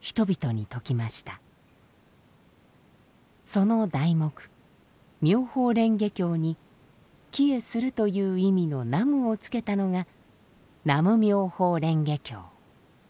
その題目「妙法蓮華経」に帰依するという意味の「南無」を付けたのが「南無妙法蓮華経」。